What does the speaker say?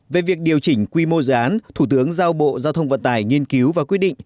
về việc điều chỉnh quy mô dự án thủ tướng giao bộ giao thông vận tải nghiên cứu và quyết định